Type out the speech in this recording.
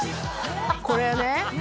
これはね